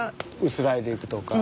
薄らいでいくとか。